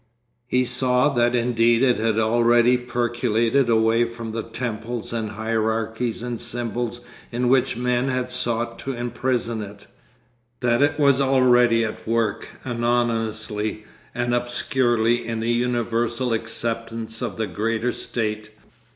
He saw that indeed it had already percolated away from the temples and hierarchies and symbols in which men had sought to imprison it, that it was already at work anonymously and obscurely in the universal acceptance of the greater state.